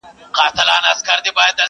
ځيني يې هنر بولي لوړ.